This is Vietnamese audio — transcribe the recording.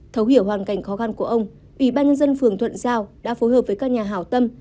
thấu hiểu hoàn cảnh khó khăn của ông ủy ban nhân dân phường thuận giao đã phối hợp với các nhà hảo tâm